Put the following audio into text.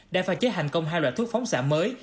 đã phản chế hành công hai loại thuốc phóng xả mới